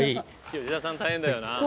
吉田さん大変だよなあ。